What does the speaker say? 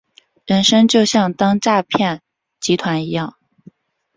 人生就像当诈骗集团一样